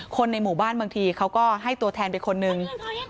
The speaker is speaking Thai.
คนในหมู่บ้านบางทีเขาก็ให้ตัวแทนไปคนนึง